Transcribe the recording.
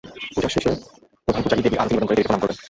পূজার শেষে প্রধান পূজারি দেবীর আরতি নিবেদন করে দেবীকে প্রণাম করবেন।